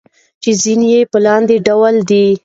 چې ځينې يې په لاندې ډول دي: